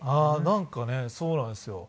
なんかねそうなんですよ。